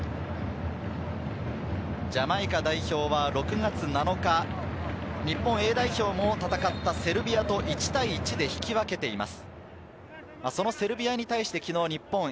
ジャマイカ代表は６月７日、日本Ａ代表も戦ったセルビアと１対１で引き分けています。